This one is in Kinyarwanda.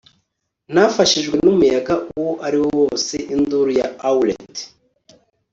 Ntafashijwe numuyaga uwo ari wo wose Induru ya owlet